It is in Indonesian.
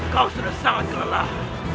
kau sudah sangat kelelah